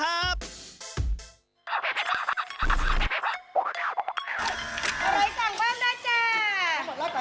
อะไรสั่งเพิ่มนะจ้า